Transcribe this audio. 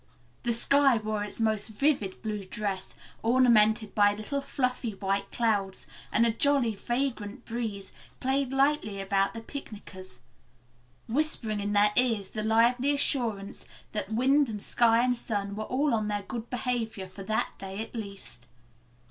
The sky wore its most vivid blue dress, ornamented by little fluffy white clouds, and a jolly vagrant breeze played lightly about the picnickers, whispering in their ears the lively assurance that wind and sky and sun were all on their good behavior for that day at least.